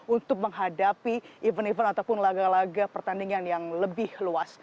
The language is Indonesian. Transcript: untuk menghadapi event event ataupun laga laga pertandingan yang lebih luas